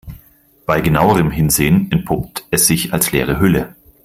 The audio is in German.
Bei genauerem Hinsehen entpuppt es sich als leere Hülle.